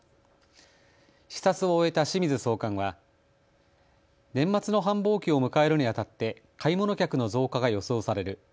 視察を終えた清水総監は年末の繁忙期を迎えるにあたって買い物客の増加が予想される。